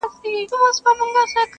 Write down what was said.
له مودو ستا د دوستی یمه لېواله؛